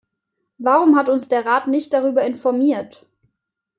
Warum hat uns der Rat nicht darüber informiert?